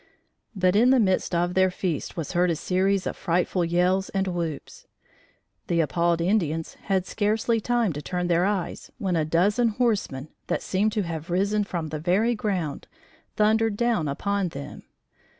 But in the midst of their feast was heard a series of frightful yells and whoops. The appalled Indians had scarcely time to turn their eyes when a dozen horsemen, that seemed to have risen from the very ground, thundered down upon them.